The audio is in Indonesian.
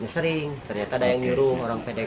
sering ternyata ada yang nyuruh orang pedek